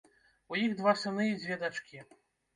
У іх два сыны і дзве дачкі.